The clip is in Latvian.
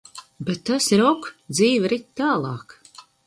Bet tas ir ok. Dzīve rit tālāk.